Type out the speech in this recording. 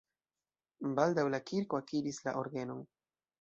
Baldaŭ la kirko akiris la orgenon.